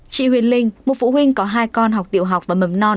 chị huyền linh một phụ huynh có hai con học tiểu học và mầm non